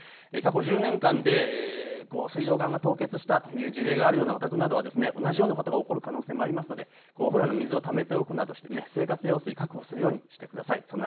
過去１０年間で水道管が凍結したという事例があるようなお宅などは同じようなことが起こる可能性もありますのでお風呂に水をためておくなどして生活用水、確保するようにしてください。